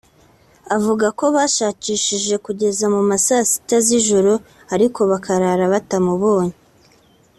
avuga ko bashakishije kugeza mu ma saa sita z’ijoro ariko bakarara batamubonye